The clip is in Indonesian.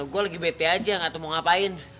gue lagi bete aja gak tau mau ngapain